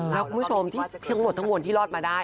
แล้วคุณผู้ชมที่ทั้งหมดทั้งมวลที่รอดมาได้